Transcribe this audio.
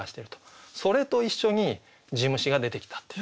それと一緒に地虫が出てきたっていう。